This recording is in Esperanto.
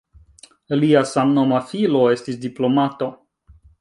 Lia samnoma filo estis diplomato.